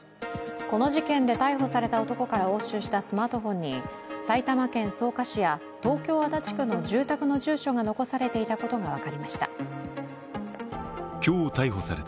この事件で逮捕された男から押収したスマートフォンに埼玉県草加市や東京・足立区の住宅の住所が残されていたことが分かりました。